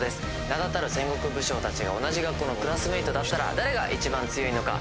名だたる戦国武将たちが同じ学校のクラスメイトだったら誰が一番強いのか？